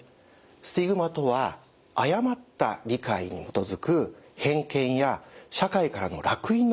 スティグマとは誤った理解に基づく偏見や社会からの烙印のことを指します。